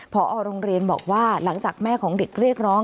พอโรงเรียนบอกว่าหลังจากแม่ของเด็กเรียกร้อง